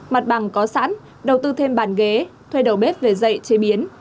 mặt bằng có sẵn đầu tư thêm bàn ghế thuê đầu bếp về dạy chế biến